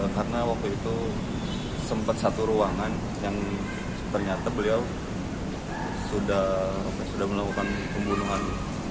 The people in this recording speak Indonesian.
karena waktu itu sempat satu ruangan yang ternyata beliau sudah melakukan pembunuhan